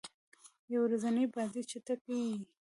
یو ورځنۍ بازۍ چټکي يي.